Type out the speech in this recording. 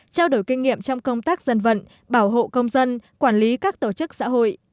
trao đổi kinh nghiệm trong công tác dân vận bảo hộ công dân quản lý các tổ chức xã hội